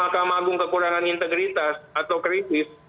kalau dikatakan mahkamah agung kekurangan integritas atau kritis